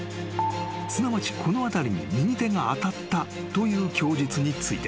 ［すなわちこの辺りに右手が当たったという供述について］